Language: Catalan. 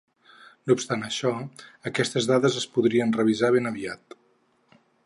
No obstant això, aquestes dades es podrien revisar ben aviat.